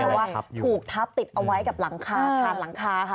เพราะว่าถูกทับติดเอาไว้กับหลังคาคานหลังคาค่ะ